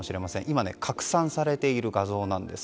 今、拡散されている画像なんです。